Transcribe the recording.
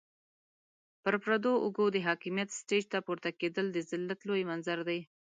پر پردو اوږو د حاکميت سټېج ته پورته کېدل د ذلت لوی منظر دی.